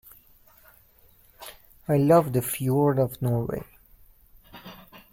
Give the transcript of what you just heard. I love the fjords of Norway.